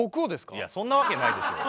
いやそんなわけないでしょ。